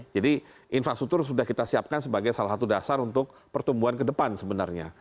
jadi infrastruktur sudah kita siapkan sebagai salah satu dasar untuk pertumbuhan kedepan sebenarnya